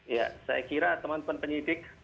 ya saya kira teman teman penyidik